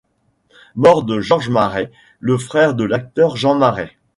Mort de Georges Marais, le frère de l'acteur Jean Marais.